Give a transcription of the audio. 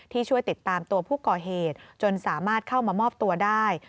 ช่วยติดตามตัวผู้ก่อเหตุจนสามารถเข้ามามอบตัวได้